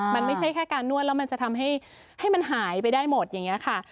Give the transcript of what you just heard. มันไม่ใช่แค่การนวดแล้วมันจะทำให้มันหายไปได้หมดอย่างนี้ค่ะ